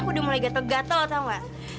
aku udah mulai gatel gatel tau gak